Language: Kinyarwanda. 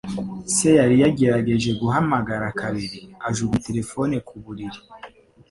Se yari yagerageje guhamagara kabiri, ajugunya terefone ku buriri.